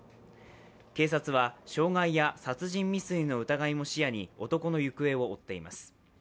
警察は傷害や殺人未遂の疑いも視野に男の行方を追っています。